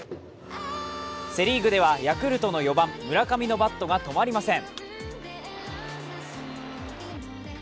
セ・リーグではヤクルトの４番・村上のバットが止まりません。